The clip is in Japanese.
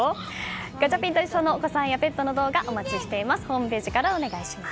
ガチャピンといっしょ！のお子さんやペットの動画お待ちしております。